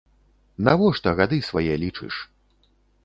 Навошта гады свае лічыш?